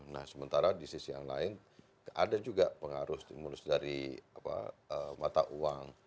nah sementara di sisi yang lain ada juga pengaruh stimulus dari mata uang